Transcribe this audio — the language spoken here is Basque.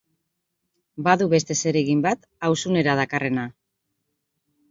Badu beste zeregin bat auzunera dakarrena.